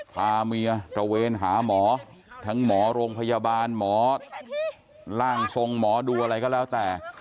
พาเมียตระเวนหาหมอทั้งหมอโรงพยาบาลหมอร่างทรงหมอดูอะไรก็แล้วแต่